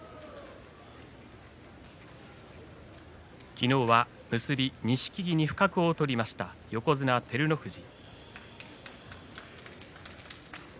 昨日は結び錦木に不覚を取りました横綱照ノ富士。